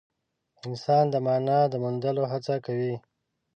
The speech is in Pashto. انسان د مانا د موندلو هڅه کوي.